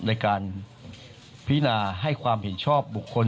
ในการพินาให้ความเห็นชอบบุคคล